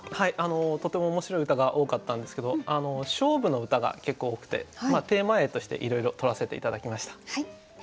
とても面白い歌が多かったんですけど勝負の歌が結構多くてテーマ詠としていろいろとらせて頂きました。